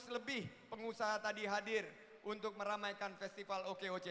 dua ratus lebih pengusaha tadi hadir untuk meramaikan festival oke oce